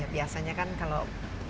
biasanya kan kalau